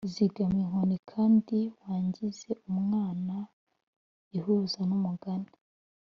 zigama inkoni kandi wangize umwana ihuza numugani